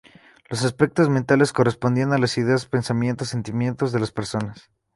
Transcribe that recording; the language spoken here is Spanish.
Los aspectos mentales corresponderían con las ideas, pensamientos, sentimientos de las personas.